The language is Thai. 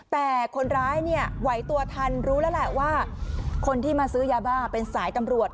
แต่คนร้ายเนี่ยไหวตัวทันรู้แล้วแหละว่าคนที่มาซื้อยาบ้าเป็นสายตำรวจ